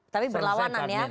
tapi berlawanan ya